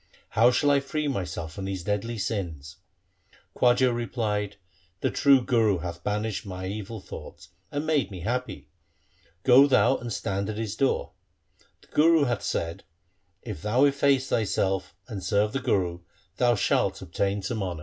How shall I free myself from these deadly sins ?' Khwaja replied, 'The true Guru hath banished my evil thoughts, and made me happy. Go thou and stand at his door. The Guru hath said :— If thou efface thyself and serve the Guru, thou shalt obtain some honour.